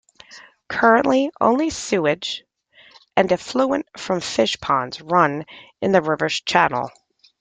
Currently, only sewage and effluent from fish ponds run in the river's channel.